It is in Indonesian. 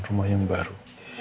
rumah yang baru